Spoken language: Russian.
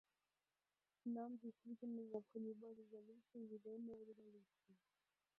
Нам действительно необходима революция — «зеленая революция».